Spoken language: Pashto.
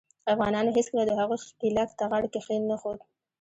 افغانانو هیڅکله د هغوي ښکیلاک ته غاړه کښېنښوده.